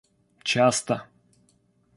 часто